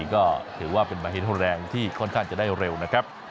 ก็ถือว่าเป็นมาเห็นแรงที่ค่อนข้างจะได้เร็วนะครับ